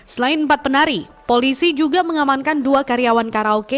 selain empat penari polisi juga mengamankan dua karyawan karaoke